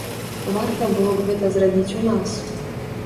Варта было б гэта зрабіць у нас.